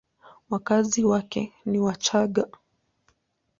Wakazi wake ni Wachagga.